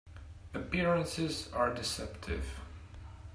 Appearances are deceptive.